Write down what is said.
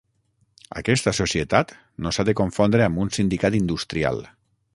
Aquesta societat no s'ha de confondre amb un sindicat industrial.